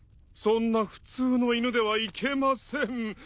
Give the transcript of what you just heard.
そんな普通の犬ではいけません。